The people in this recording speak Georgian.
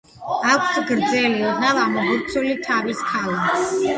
აქვს გრძელი, ოდნავ ამობურცული თავის ქალა.